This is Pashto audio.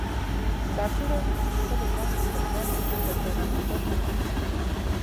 سرتیری د خپلې دندې په وړاندې پر زړه ورتیا تمرکز کوي.